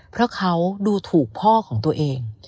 เพราะเขาดูถูกพ่อของตัวเอง